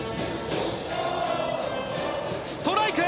ストライク！